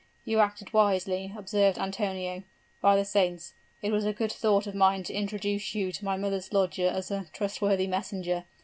'You acted wisely,' observed Antonio; 'by the saints! it was a good thought of mine to introduce you to my mother's lodger as a trustworthy messenger!